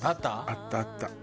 あったあった。